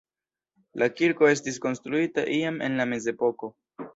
La kirko estis konstruita iam en la mezepoko.